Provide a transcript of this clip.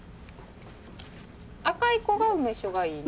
赤い子が梅酒がいいの？